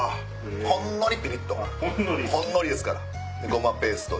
ほんのりピリっとほんのりですからごまペースト。